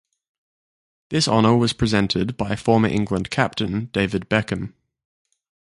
This honour was presented by former England captain David Beckham.